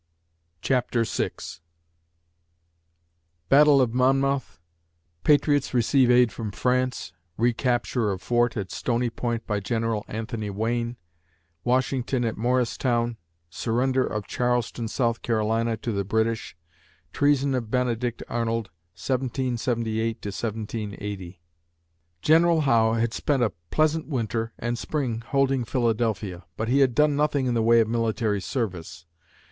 CHAPTER VI BATTLE OF MONMOUTH PATRIOTS RECEIVE AID FROM FRANCE RECAPTURE OF FORT AT STONY POINT BY GEN. ANTHONY WAYNE WASHINGTON AT MORRISTOWN SURRENDER OF CHARLESTON, S. C., TO THE BRITISH TREASON OF BENEDICT ARNOLD 1778 1780 [Illustration: Molly Pitcher] General Howe had spent a pleasant winter and spring holding Philadelphia, but he had done nothing in the way of military service.